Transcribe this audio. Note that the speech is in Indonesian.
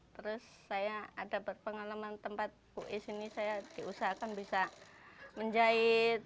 terus saya ada pengalaman tempat kuis ini saya diusahakan bisa menjahit